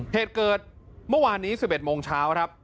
เหตุเกิดเมื่อวานนี้๑๑โมงเช้าครับ